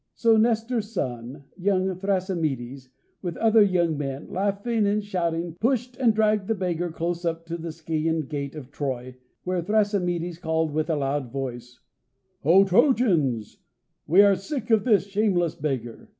So Nestor's son, young Thrasymedes, with other young men, laughing and shouting, pushed and dragged the beggar close up to the Scaean gate of Troy, where Thrasymedes called with a loud voice, "O Trojans, we are sick of this shameless beggar.